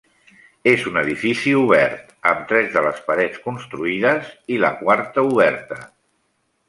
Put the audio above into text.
És un edifici obert, amb tres de les parets construïdes, i la quarta oberta.